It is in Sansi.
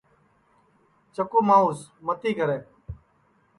چکُو مانٚوس متی کرے